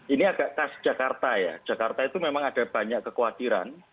ini agak khas jakarta ya jakarta itu memang ada banyak kekhawatiran